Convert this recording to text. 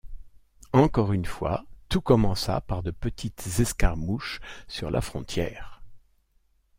Encore une fois, tout commença par de petites escarmouches sur la frontière.